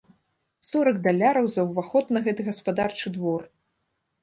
Сорак даляраў за ўваход на гэты гаспадарчы двор!